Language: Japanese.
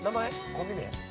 コンビ名？